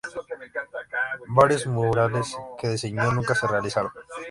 Varios murales que diseñó nunca se realizaron.